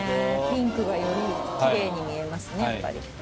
ピンクがよりキレイに見えますねやっぱり。